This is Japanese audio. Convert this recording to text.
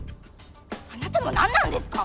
あなたも何なんですか！？